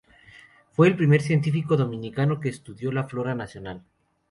Fue el primer científico dominicano que estudió la flora nacional.